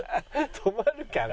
止まるから。